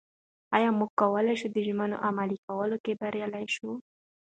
ایا موږ کولای شو د ژمنو عملي کولو کې بریالي شو؟